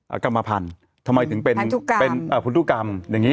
อ่ะกรรมพันธ์ทำไมถึงเป็นพันธุกรรมเป็นฝันทุกรรมอย่างงี้